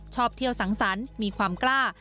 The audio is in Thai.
ชอบเที่ยวสังสรรค์มีความกล้า